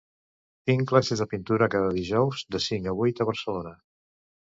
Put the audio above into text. Tinc classes de pintura cada dijous de cinc a vuit a Barcelona.